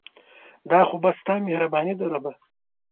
دا خو بس ستا مهرباني ده ربه